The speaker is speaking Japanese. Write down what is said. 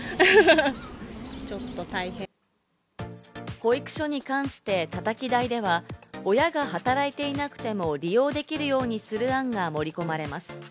保育所に関してたたき台では、親が働いていなくても、利用できるようにする案が盛り込まれます。